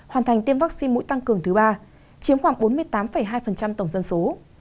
hoàn thành tiêm vaccine mũi tăng cường thứ ba chiếm khoảng bốn mươi tám hai tổng dân số